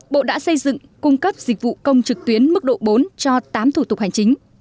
bộ đã xây dựng cung cấp dịch vụ công trực tuyến mức độ bốn cho tám thủ tục hành chính